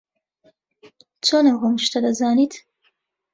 چۆن ئەو هەموو شتە دەزانیت؟